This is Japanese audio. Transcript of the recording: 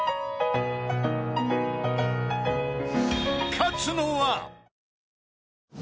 ［勝つのは！？］